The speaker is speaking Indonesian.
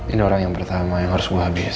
ini orang yang pertama yang harus gue habis